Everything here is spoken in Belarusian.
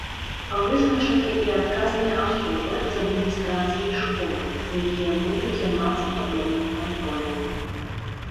Вызначаны і адказныя асобы з адміністрацыі школы, якія будуць займацца падобным кантролем.